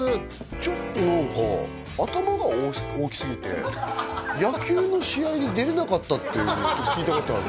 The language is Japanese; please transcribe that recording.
ちょっと何か頭が大きすぎて野球の試合に出れなかったって聞いたことあるんですけど